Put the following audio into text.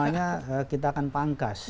semuanya kita akan pangkas